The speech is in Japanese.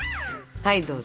はいどうぞ。